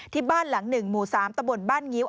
ที่บ้านหลัง๑หมู่๓ตะบนบ้านงิ้ว